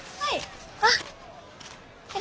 はい。